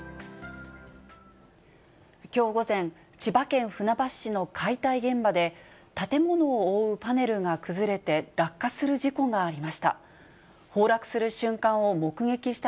きょう午前、千葉県船橋市の解体現場で、建物を覆うパネルが崩れて落下する事故がありました。